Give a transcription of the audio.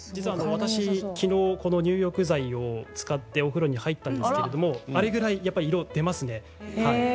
私、きのうこの入浴剤を使ってお風呂に入ったんですけれどあれぐらい色が出ますね。